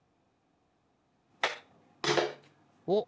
おっ！